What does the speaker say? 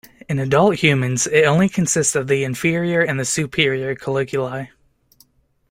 In adult humans, it only consists of the inferior and the superior colliculi.